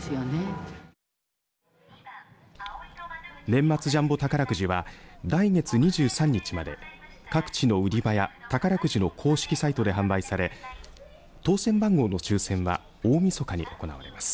年末ジャンボ宝くじは来月２３日まで各地の売り場や宝くじの公式サイトで販売され当選番号の抽せんは大みそかに行われます。